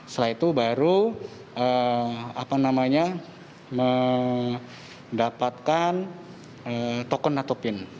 setelah itu baru mendapatkan token atau pin